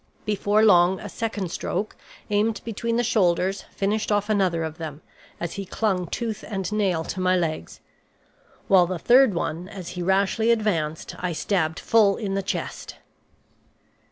Before long a second stroke, aimed between the shoulders, finished off another of them, as he clung tooth and nail to my legs; while the third one, as he rashly advanced, I stabbed full in the chest.